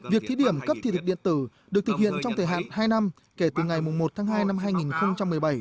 việc thí điểm cấp thị thực điện tử được thực hiện trong thời hạn hai năm kể từ ngày một tháng hai năm hai nghìn một mươi bảy